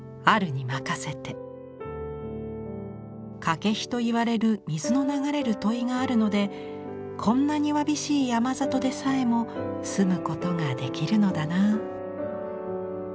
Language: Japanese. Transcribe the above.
「かけひと言われる水の流れる樋があるのでこんなにわびしい山里でさえも住むことができるのだなあ」。